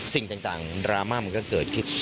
สิ่งต่างดราม่ามันก็เกิดขึ้น